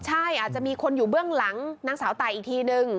ใช่อาจจะมีคนอยู่เบื้องหลังนางสาวตายอีกทีนึง